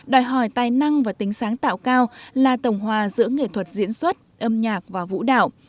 đòi hỏi tài năng và tính sáng tạo cao là tổng hòa giữa nghệ thuật diễn xuất âm nhạc và vũ đạo